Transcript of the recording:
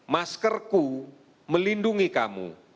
maskerku melindungi kamu